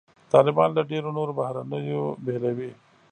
طالبان له ډېرو نورو بهیرونو بېلوي.